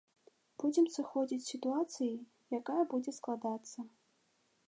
Будзем сыходзіць з сітуацыі, якая будзе складацца.